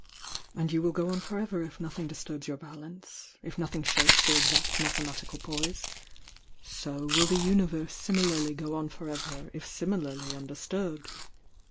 And you will go on for ever if nothing disturbs your balance — if nothing shakes your exact •i I THE YOUNG DIANA 301 mathematical poise. So will the Universe similarly go on for ever, if similarly undisturbed.